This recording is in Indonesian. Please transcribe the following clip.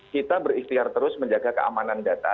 kita berikhtiar terus menjaga keamanan data